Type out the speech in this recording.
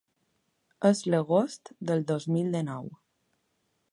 És l’agost del dos mil dinou.